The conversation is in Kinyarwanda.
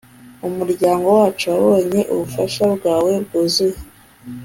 umuryango wacu wabonye ubufasha bwawe bwuzuye